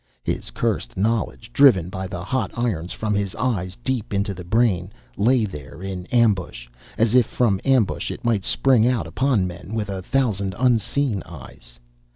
His cursed knowledge, driven by the hot irons from his eyes deep into the brain, lay there in ambush; as if from ambush it might spring out upon men with a thousand unseen eyes.